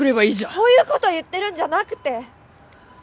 そういう事言ってるんじゃなくて！